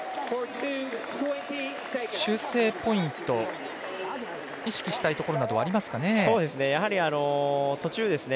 修正ポイント意識したいところなどはありますかね。